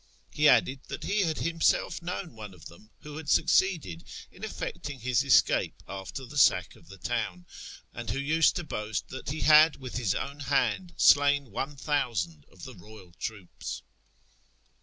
He added that he liad himself known one of them who had succeeded in eflecting his escape after the sack of the town, and wlio used to boast that he had with his own hand slain lOOU ui' the royal troops